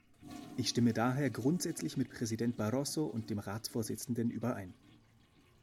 Ich stimme daher grundsätzlich mit Präsident Barroso und dem Ratsvorsitzenden überein.